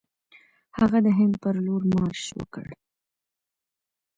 هغه د هند پر لور مارش وکړ.